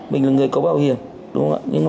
mình là người có bảo hiểm đúng không ạ